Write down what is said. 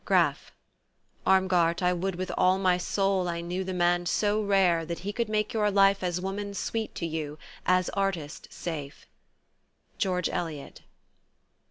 GRAF :" Armgart, I would with all my soul I knew The man so rare, that he could make your life As woman sweet to you, as artist safe." GEORGE ELIOT.